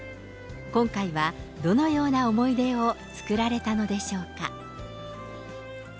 今回はどのような思い出を作られたのでしょうか。